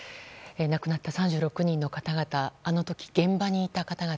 亡くなった３６人の方々あの時、現場にいた方々